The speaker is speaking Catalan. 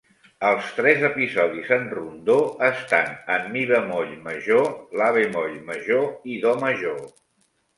Els tres episodis en rondó estan en Mi bemoll major, La bemoll major i Do major.